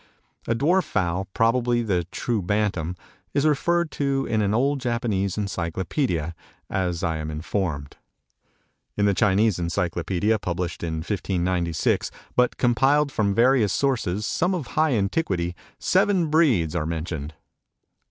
A dwarf fowl, probably the true Bantam, is referred to in an old Japanese Encyclopedia, as I am informed. In the Chinese Encyclopedia published in 1596, but compiled from various sources, some of high antiquity, seven breeds are mentioned."